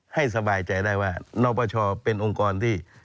ให้สบายใจได้ว่านปชเป็นองค์กรที่